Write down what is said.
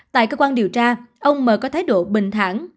tại cơ quan điều tra ông m có thái độ bình thẳng